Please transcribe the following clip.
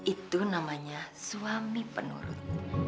itu namanya suami penurut